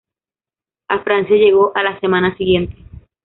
A Francia llegó a la semana siguiente.